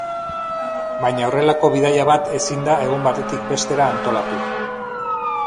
Baina horrelako bidaia bat ezin da egun batetik bestera antolatu.